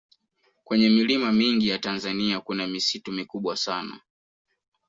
kwenye milima mingi ya tanzania kuna misitu mikubwa sana